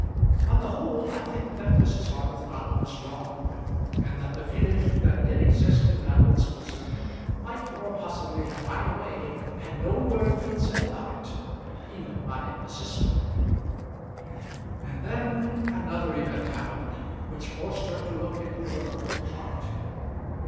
On the whole I think that Mrs. Arbuthnot was wrong, and that the feeling that did exist in Madeline's bosom might more possibly have died away, had no word been said about it even by a sister. And then another event happened which forced her to look into her own heart.